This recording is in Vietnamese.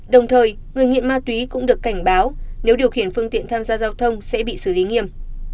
đồng thời người nghiện ma túy cũng được cảnh báo nếu điều khiển phương tiện tham gia giao thông sẽ bị xử lý nghiêm